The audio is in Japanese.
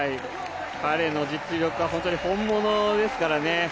彼の実力は本物ですからね。